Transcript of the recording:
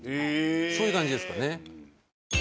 そういう感じですかね。